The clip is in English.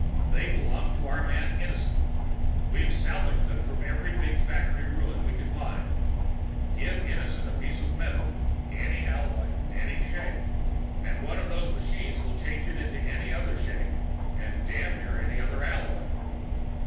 They belong to our man Innison. We've salvaged them from every big factory ruin we could find. Give Innison a piece of metal any alloy, any shape and one of those machines will change it into any other shape and damned near any other alloy.